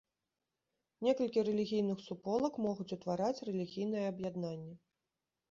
Некалькі рэлігійных суполак могуць утвараць рэлігійнае аб'яднанне.